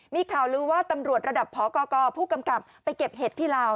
มีข่าวลือว่าตำรวจระดับพกผู้กำกับไปเก็บเห็ดที่ลาว